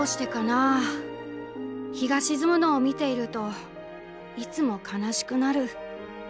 あ日が沈むのを見ているといつも悲しくなる」。